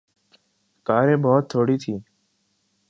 کاریں بہت تھوڑی تھیں۔